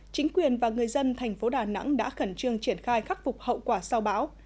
chính quyền và người dân thành phố đà nẵng đã khẩn trương triển khai khắc phục hậu quả sau bão